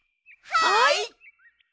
はい！